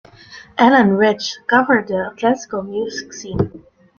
Alan Rich covered the classical-music scene.